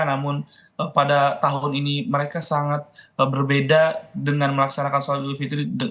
namun pada tahun ini mereka sangat berbeda dengan melaksanakan sholat idul fitri